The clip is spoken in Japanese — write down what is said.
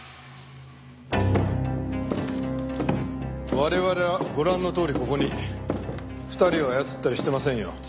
我々はご覧のとおりここに。２人を操ったりしてませんよ。